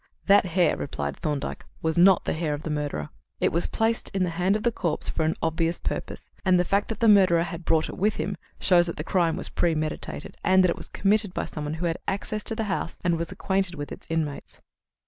"That hair," replied Thorndyke, "was not the hair of the murderer. It was placed in the hand of the corpse for an obvious purpose; and the fact that the murderer had brought it with him shows that the crime was premeditated, and that it was committed by someone who had had access to the house and was acquainted with its inmates."